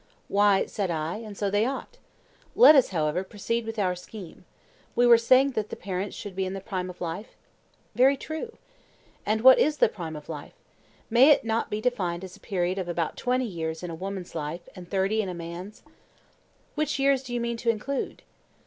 Why, said I, and so they ought. Let us, however, proceed with our scheme. We were saying that the parents should be in the prime of life? Very true. And what is the prime of life? May it not be defined as a period of about twenty years in a woman's life, and thirty in a man's? Which years do you mean to include?